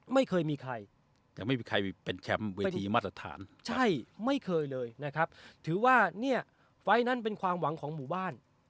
ไม่เคยมีใครอันนี้ถือว่าไฟนั้นเป็นความหวังของหมู่บ้าน